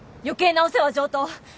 余計なお世話上等！